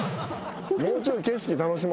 もうちょい景色楽しまな。